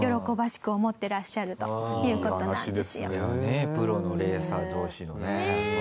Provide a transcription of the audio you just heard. ねっプロのレーサー同士のね。